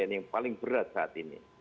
yang paling berat saat ini